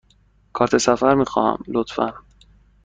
کارت سفر می خواهم، لطفاً.